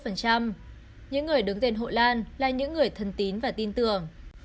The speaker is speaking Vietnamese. những người đứng tên hộ lan là những người thân tín và tin tưởng